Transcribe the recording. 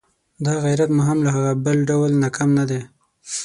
دا غیرت مو هم له هغه بل ډول نه کم نه دی.